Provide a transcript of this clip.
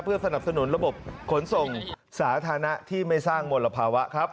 สนับสนุนระบบขนส่งสาธารณะที่ไม่สร้างมลภาวะครับ